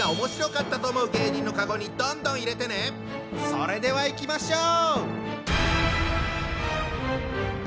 それではいきましょう！